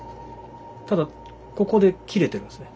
ただここで切れてますね。